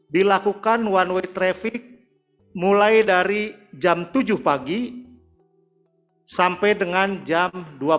dilakukan one way traffic mulai dari jam tujuh pagi sampai dengan jam dua belas